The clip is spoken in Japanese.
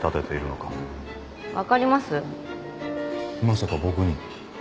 まさか僕に？